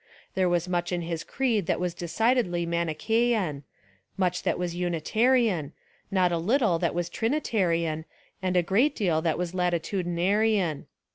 There was much in his creed that was decidedly Manichasan, much that was Unitarian, not a little that was Trinitarian, and a great deal that was Lati tudinarian.